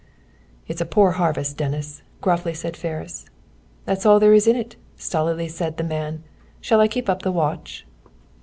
"It's a poor harvest, Dennis," gruffly said Ferris. "That's all there's in it," stolidly said the man. "Shall I keep up the watch?"